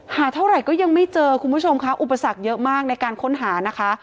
เท่าไหร่ก็ยังไม่เจอคุณผู้ชมค่ะอุปสรรคเยอะมากในการค้นหานะคะ